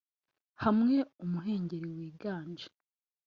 hamwe umuhengeri wiganje